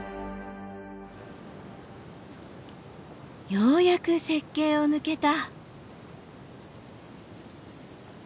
ようやく雪渓を抜けた。